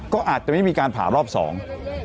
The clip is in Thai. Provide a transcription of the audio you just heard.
ก็อาจจะไม่มีการผ่ารอบสอง